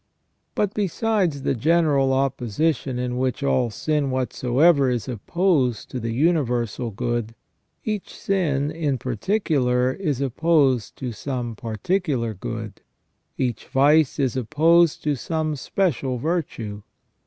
* But besides the general opposition in which all sin whatsoever is opposed to the universal good, each sin in particular is opposed to some particular good, each vice is opposed to some special virtue.